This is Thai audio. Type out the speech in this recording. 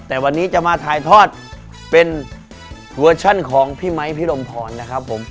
แต่วันนี้จะมาถ่ายทอดเป็นเวอร์ชันของพี่ไมค์พี่รมพรนะครับผม